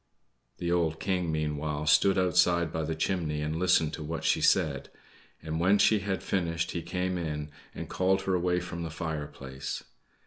The old King, meanwhile, stood outside by the chimney and listened to what she said; and when she had finished he came in, and called her away from the fireplace.